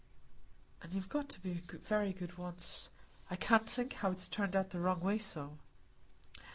And you'd got to be very good once; I can't think how it's turned out the wrong way so!"